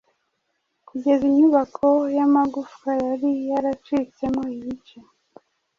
Kugeza inyubako yamagufa yari yaracitsemo ibice